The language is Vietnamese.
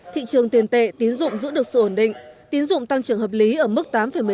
thị trường tiền tệ tín dụng giữ được sự ổn định tín dụng tăng trưởng hợp lý ở mức tám một mươi năm